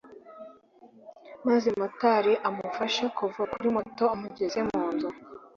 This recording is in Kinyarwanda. maze motari amufasha kuva kuri moto amugeza munzu